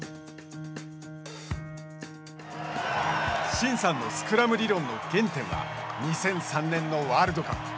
慎さんのスクラム理論の原点は２００３年のワールドカップ。